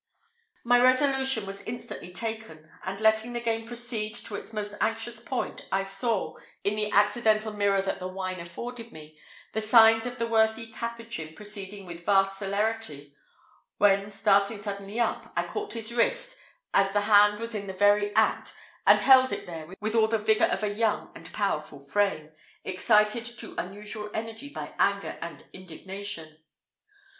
My resolution was instantly taken; and letting the game proceed to its most anxious point, I saw, in the accidental mirror that the wine afforded me, the signs of the worthy Capuchin proceeding with vast celerity, when, starting suddenly up, I caught his wrist, as the hand was in the very act, and held it there with all the vigour of a young and powerful frame, excited to unusual energy by anger and indignation.